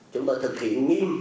chúng tôi thực hiện nghiêm